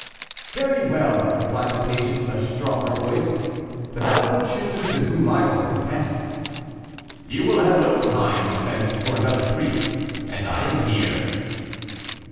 "Very well," replied the patient, in a stronger voice, "but I will chose to whom I will confess." "You will have no time to send for another priest, and I am here."